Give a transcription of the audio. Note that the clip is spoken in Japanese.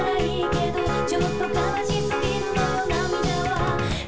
「ちょっと悲しすぎるのよ涙は」